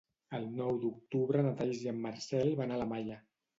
El nou d'octubre na Thaís i en Marcel van a Malla.